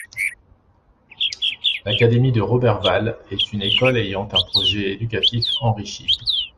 L'Académie De Roberval est une école ayant un projet éducatif enrichi.